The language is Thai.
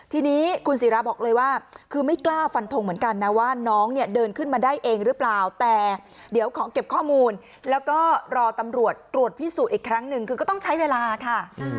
ทีนี้คุณศิราบอกเลยว่าคือไม่กล้าฟันทงเหมือนกันนะว่าน้องเนี่ยเดินขึ้นมาได้เองหรือเปล่าแต่เดี๋ยวขอเก็บข้อมูลแล้วก็รอตำรวจตรวจพิสูจน์อีกครั้งหนึ่งคือก็ต้องใช้เวลาค่ะ